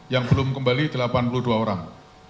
yang belum kembali delapan puluh dua orang